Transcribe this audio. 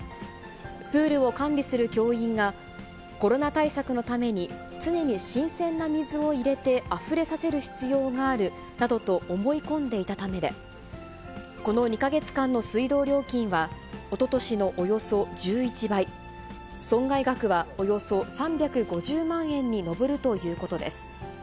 プールを管理する教員が、コロナ対策のために常に新鮮な水を入れてあふれさせる必要があるなどと思い込んでいたためで、この２か月間の水道料金はおととしのおよそ１１倍、損害額はおよそ３５０万円に上るということです。